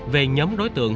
về nhóm đối tượng